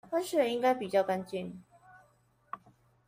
河水應該比較乾淨